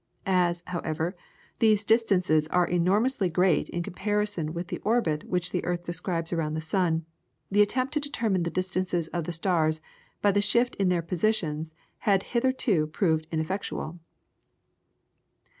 As, however, these distances are enormously great in comparison with the orbit which the earth describes around the sun, the attempt to determine the distances of the stars by the shift in their positions had hitherto proved ineffectual.